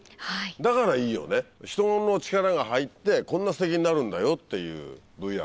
だからいいよね人の力が入ってこんなステキになるんだよっていうＶＴＲだから。